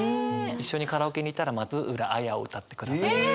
一緒にカラオケに行ったら松浦亜弥を歌ってくださいました。